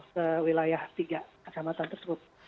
se wilayah tiga kecamatan tersebut